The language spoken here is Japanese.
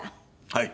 はい。